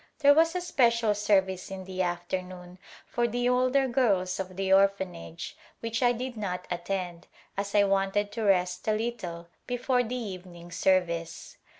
There was a special service in the afternoon for the older girls of the Orphanage which I did not attend as I wanted to rest a little before the evening service.